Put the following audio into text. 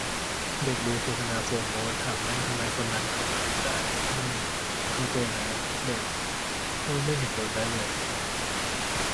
เด็กดูโฆษณาโฟร์โมสต์ ถามแม่ทำไมคนนั้นเค้ากระโดดได้ แม่ :'เค้าโตแล้ว' เด็ก :'พ่อไม่เห็นโดดได้เลย'